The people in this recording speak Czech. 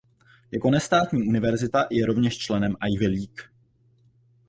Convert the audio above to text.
Jako nestátní univerzita je rovněž členem Ivy League.